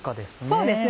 そうですね。